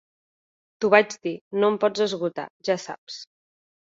T'ho vaig dir, no em pots esgotar, ja saps.